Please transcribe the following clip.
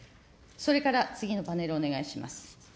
それから次のパネルお願いします。